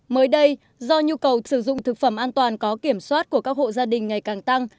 mới đây do nhu cầu sử dụng thực phẩm an toàn có kiểm soát của các hộ gia đình ngày càng tăng